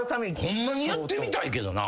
ホンマにやってみたいけどな。